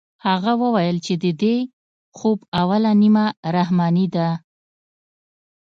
هغه وويل چې د دې خوب اوله نيمه رحماني ده.